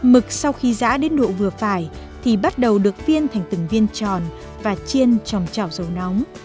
mực sau khi giã đến độ vừa phải thì bắt đầu được viên thành từng viên tròn và chiên trong chảo dầu nóng